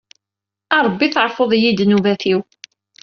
A Rebbi teɛfuḍ-iyi ddnubat-iw.